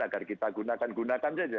agar kita gunakan gunakan saja